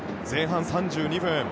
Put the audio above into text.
前半３２分。